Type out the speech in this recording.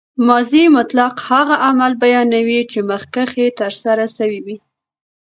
ماضي مطلق هغه عمل بیانوي، چي مخکښي ترسره سوی يي.